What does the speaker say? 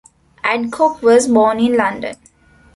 Adcock was born in London.